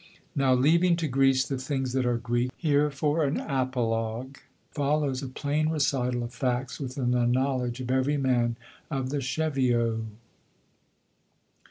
Now, leaving to Greece the things that are Greek, here for an apologue follows a plain recital of facts within the knowledge of every man of the Cheviots.